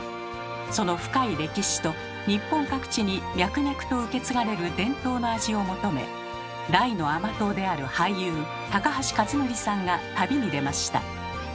その深い歴史と日本各地に脈々と受け継がれる伝統の味を求め大の甘党である俳優高橋克典さんが旅に出ました。